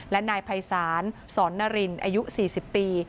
และนายภัยศาลสอนนารินอายุ๔๐ปี